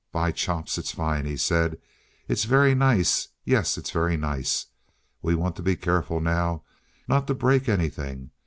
"By chops, it's fine!" he said. "It's very nice. Yes, it's very nice. We want to be careful now not to break anything.